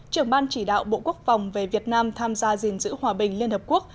trưởng ban chỉ đạo bộ quốc phòng về việt nam tham gia gìn giữ hòa bình liên hợp quốc